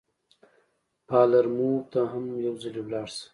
پالرمو ته هم یو ځلي ولاړ شه.